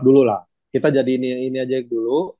dulu lah kita jadi ini aja dulu